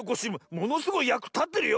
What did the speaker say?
ものすごいやくたってるよ